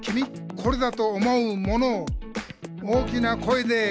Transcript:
「これだと思うものを大きな声で答えてくれ！」